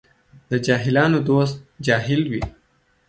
د جاهلانو دوست جاهل وي.